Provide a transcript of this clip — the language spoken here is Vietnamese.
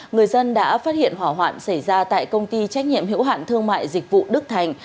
người dân đã phát hiện hỏa hoạn xảy ra tại công ty trách nhiệm hiểu hạn thương mại dịch vụ đức thành